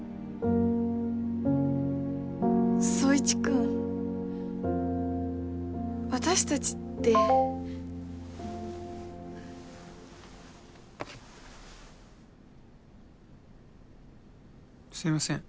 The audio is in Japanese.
宗一君私達ってすいません